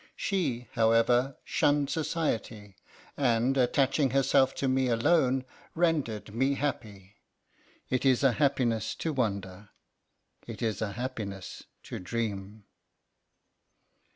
She, however, shunned society, and, attaching herself to me alone rendered me happy. It is a happiness to wonder; it is a happiness to dream.